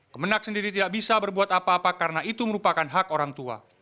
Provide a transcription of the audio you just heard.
kemenak sendiri tidak bisa berbuat apa apa karena itu merupakan hak orang tua